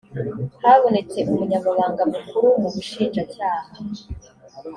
habonetse umunyamabanga mukuru mu bushinjacyaha